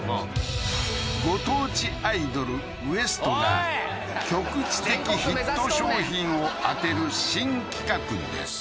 ご当地アイドルＷＥＳＴが局地的ヒット商品を当てる新企画です